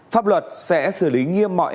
pháp luật sẽ xử lý nghiêm mọi